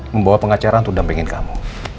membawa pengacara untuk dampingin kamu